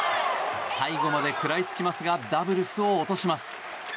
最後まで食らいつきますがダブルスを落とします。